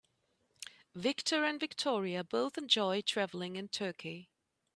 Victor and Victoria both enjoy traveling in Turkey.